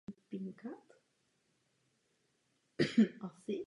Samozřejmě nejvhodnější je speciální taneční obuv určená výhradně na parket.